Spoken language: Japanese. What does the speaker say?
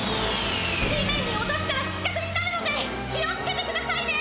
地面に落としたらしっかくになるので気をつけてくださいね！